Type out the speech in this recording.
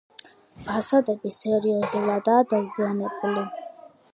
ფასადები სერიოზულადაა დაზიანებული.